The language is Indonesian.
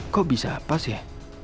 kok bisa pas ya